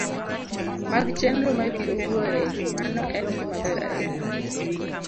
mag chenro ma ibiro wuoye, mano en gimaber ahinya